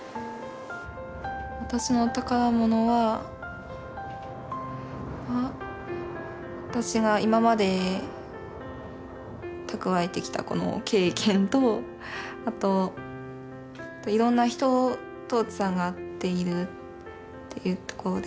私の宝物は私が今までたくわえてきたこの経験とあといろんな人とつながっているっていうところです。